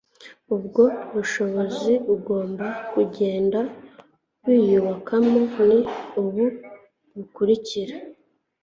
Ubwo bushobozi ugomba kugenda wiyubakamo ni ubu bukurikira